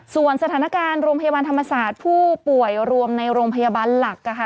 ส่วนสถานการณ์โรงพยาบาลธรรมศาสตร์ผู้ป่วยรวมในโรงพยาบาลหลักนะคะ